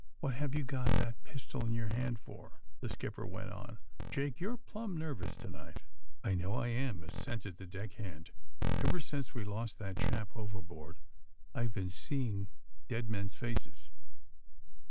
What have you got that pistol in your hand for?" the skipper went on. Jake, you're plumb nervous to night." ' ^'1 know I am," assented the deck hand. *' Ever since we lost that chap overboard I've been seeing dead men's faces!"